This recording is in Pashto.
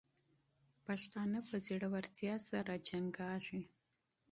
پښتانه په زړورتیا جنګېږي.